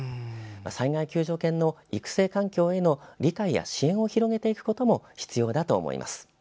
災害救助犬の育成環境への理解や支援を広げていくことも必要だと思います。